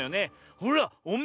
ほらおめえ